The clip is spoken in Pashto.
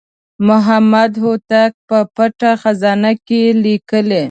محمد هوتک په پټه خزانه کې لیکلي.